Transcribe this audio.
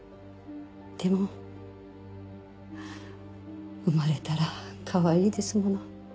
でも生まれたらかわいいですもの。